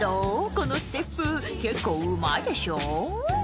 このステップ結構うまいでしょ？」